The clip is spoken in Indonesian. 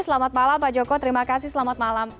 selamat malam pak joko terima kasih selamat malam